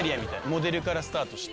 モデルからスタートして。